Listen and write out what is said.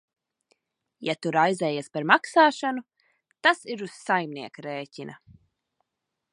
Ja tu raizējies par maksāšanu, tas ir uz saimnieka rēķina.